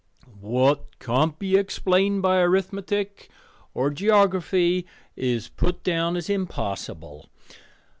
"What can't be explained by arithmetic or geography is put down as impossible.